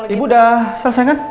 ibu sudah selesai kan